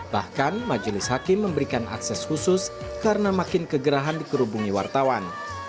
bahkan majelis hakim memberikan akses khusus karena makin kegerahan dikerubungi wartawan